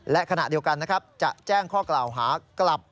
และขณะเดียวกันนะครับจะแจ้งข้อกล่าวหากลับ